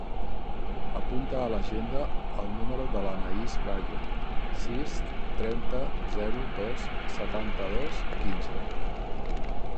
Apunta a l'agenda el número de l'Anaís Gayo: sis, trenta, zero, dos, setanta-dos, quinze.